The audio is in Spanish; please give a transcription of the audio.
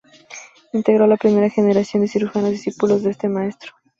Integró la primera generación de cirujanos discípulos de este maestro.